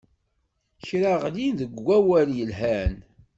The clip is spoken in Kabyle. Kra ɣlin deg wakal yelhan.